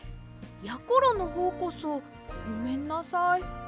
やころのほうこそごめんなさい。